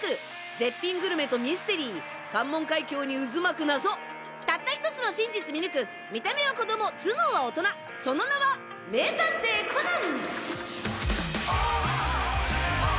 絶品グルメとミステリー関門海峡に渦巻く謎たった１つの真実見抜く見た目は子供頭脳は大人その名は名探偵コナン！